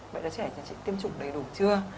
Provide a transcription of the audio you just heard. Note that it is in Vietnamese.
vậy đứa trẻ thì chị tiêm chủng đầy đủ chưa